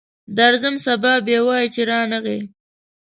درځم، سبا به وایې چې رانغی.